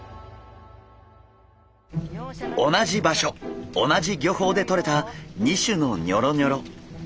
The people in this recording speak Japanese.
同じ場所同じ漁法でとれた２種のニョロニョロ。